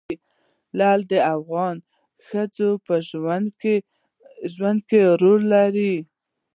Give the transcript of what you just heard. لعل د افغان ښځو په ژوند کې رول لري.